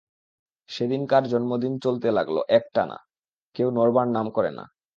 সেদিনকার জন্মদিন চলতে লাগল একটানা, কেউ নড়বার নাম করে না।